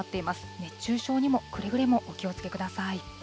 熱中症にもくれぐれもお気をつけください。